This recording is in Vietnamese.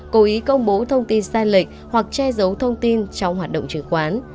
cố ý công bố thông tin sai lệch hoặc che giấu thông tin trong hoạt động chứng khoán